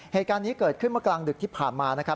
เหตุการณ์นี้เกิดขึ้นเมื่อกลางดึกที่ผ่านมานะครับ